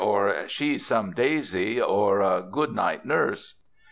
or 'She's some Daisy!' or 'Good night, Nurse!'